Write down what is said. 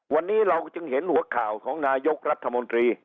วันนี้เราจึงเห็นหัวข่าวของนายกรัฐมนตรี